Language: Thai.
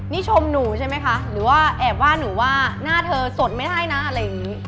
นี่ชมหนูใช่ไหมคะหรือว่าแอบว่าหนูว่าหน้าเธอสดไม่ได้นะอะไรอย่างนี้